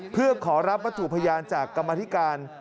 เพื่อขอรับวัตถุพยานจากกรรมธิการ